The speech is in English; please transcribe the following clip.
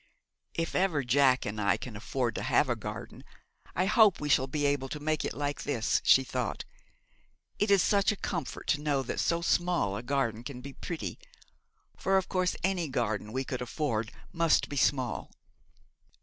'If ever Jack and I can afford to have a garden, I hope we shall be able to make it like this,' she thought. 'It is such a comfort to know that so small a garden can be pretty: for of course any garden we could afford must be small.'